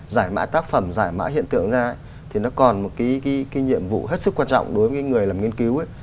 giải mã tác phẩm giải mã hiện tượng ra thì nó còn một cái nhiệm vụ hết sức quan trọng đối với người làm nghiên cứu ấy